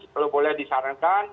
kalau boleh disarankan